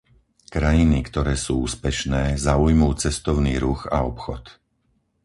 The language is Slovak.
Krajiny, ktoré sú úspešné, zaujmú cestovný ruch a obchod.